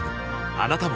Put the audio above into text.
あなたも